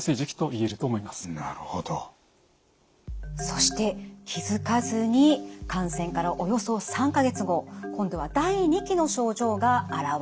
そして気付かずに感染からおよそ３か月後今度は第２期の症状が現れます。